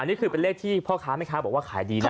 นี่คือเป็นเลขที่พ่อค้าแม่ค้าบอกว่าขายดีนะ